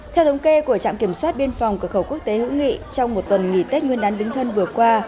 theo thống kê của trạm kiểm soát biên phòng cửa khẩu quốc tế hữu nghị trong một tuần nghỉ tết nguyên đán đính thân vừa qua